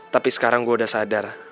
tapi sekarang gue udah sadar